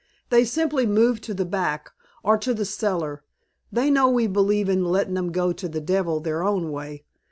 "They simply moved to the back, or to the cellar. They know we believe in lettin' 'em go to the devil their own way.